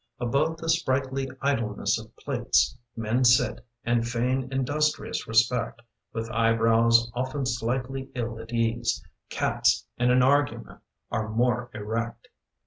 Above the sprightly idleness of plates Men sit and feign industrious respect, With eye brows often slightly ill at ease — Cats in an argument are more erect.